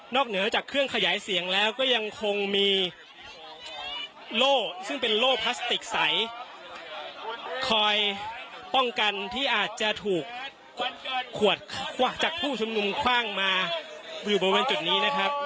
เหนือจากเครื่องขยายเสียงแล้วก็ยังคงมีโล่ซึ่งเป็นโล่พลาสติกใสคอยป้องกันที่อาจจะถูกขวดกวักจากผู้ชุมนุมคว่างมาอยู่บริเวณจุดนี้นะครับ